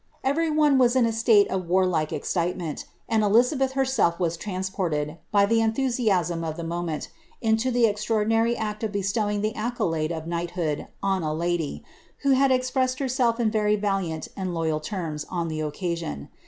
Every one was in a state of warlike excitement, Elizabeth herself was transported, by the enthusiasm of the moment, the extraordinary act of bestowing the accolade of knighthood on ly, who had expressed herself in very valiant and loyal terms on the •ion.